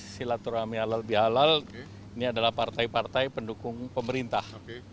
silaturahmi halal bihalal ini adalah partai partai pendukung pemerintah